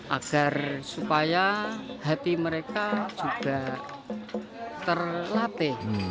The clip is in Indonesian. agar supaya hati mereka juga terlatih